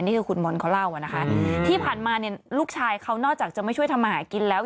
นี่คือคุณมนต์เขาเล่าอะนะคะที่ผ่านมาเนี่ยลูกชายเขานอกจากจะไม่ช่วยทำมาหากินแล้ว